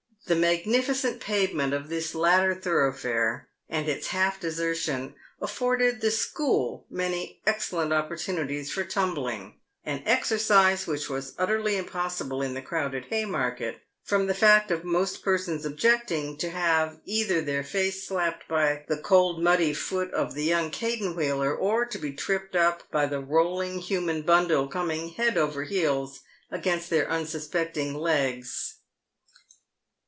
The magnificent pavement of this latter thoroughfare, and its half desertion, afforded the " school" many excellent opportunities for tumbling, an exercise which was utterly impossible in the crowded Haymarket, from the fact of most persons objecting to have either their face slapped by the cold muddy foot of the young eaten wheeler, or to be tripped up by the rolling human bundle coming head over heels against their unsuspecting legs.